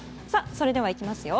それでは行きますよ。